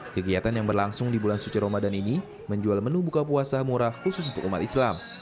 kegiatan yang berlangsung di bulan suci ramadan ini menjual menu buka puasa murah khusus untuk umat islam